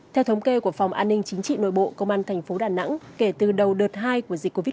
theo thống kê của phòng an ninh chính trị nội bộ công an thành phố đà nẵng kể từ đầu đợt hai của dịch covid một mươi